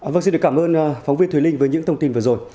vâng xin được cảm ơn phóng viên thùy linh với những thông tin vừa rồi